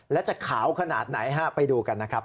และจะขาวขนาดไหนฮะไปดูกันนะครับ